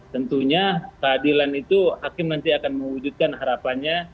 tentunya keadilan itu hakim nanti akan mewujudkan harapannya